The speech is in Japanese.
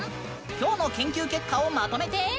今日の研究結果をまとめて！